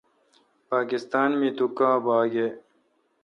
پاکستان می تو کاں باگ اؘ۔